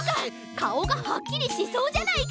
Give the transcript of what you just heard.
かおがはっきりしそうじゃないか！